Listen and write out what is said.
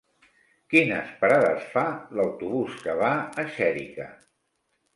Quines parades fa l'autobús que va a Xèrica?